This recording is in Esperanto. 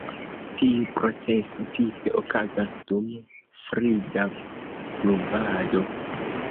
Tiu proceso tipe okazas dum frida pluvado.